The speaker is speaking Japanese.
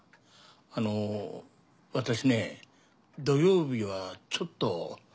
あの私ね土曜日はちょっと。